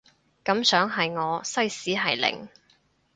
感想係我西史係零